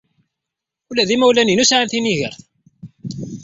Ula d imawlan-inu sɛan tinigert.